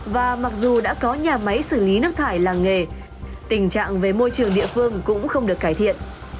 và mặc dù đã có nhà máy xử lý nước thải làng nghề tình trạng về môi trường địa phương cũng không được cải thiện